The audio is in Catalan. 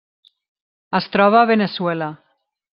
Es troba a Veneçuela.